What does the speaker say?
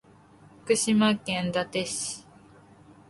福島県伊達市